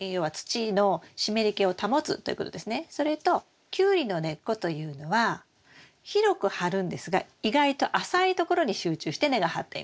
それとキュウリの根っこというのは広く張るんですが意外と浅いところに集中して根が張っています。